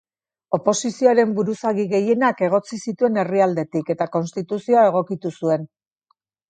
Oposizioaren buruzagi gehienak egotzi zituen herrialdetik, eta konstituzioa egokitu zuen.